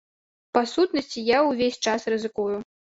Па сутнасці, я ўвесь час рызыкую.